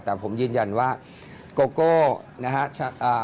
แต่ผมยืนยันว่าโกโก้นะฮะอ่า